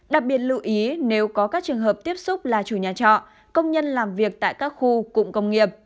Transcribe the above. đặc biệt lưu ý nếu có các trường hợp tiếp xúc là chủ nhà trọ công nhân làm việc tại các khu cụm công nghiệp